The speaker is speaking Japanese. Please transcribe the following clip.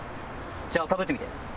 じゃあかぶってみて。